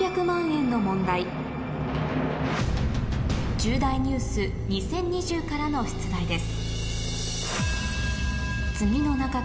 『重大ニュース２０２０』からの出題です